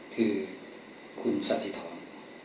คือคุณซาสิทร